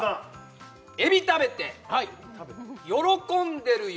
海老食べて喜んでるよ